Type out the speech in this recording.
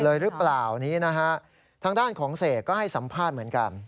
เลยรึเปล่าทางด้านของเศกก็ให้สัมพาทเหมือนกัน